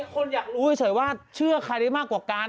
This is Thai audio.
คนอยากรู้เฉยว่าเชื่อใครได้มากกว่ากัน